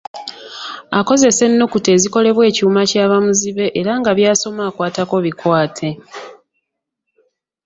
Akozesa ennukuta ezikolebwa ekyuma kya bamuzibe era nga by'asoma akwatako bikwate.